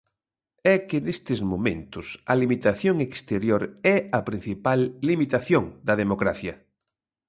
É que nestes momentos a limitación exterior é a principal limitación da democracia.